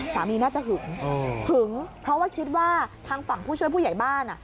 สามีน่าจะหึงหึงเพราะว่าคิดว่าทางฝั่งผู้ช่วยผู้ใหญ่บ้าน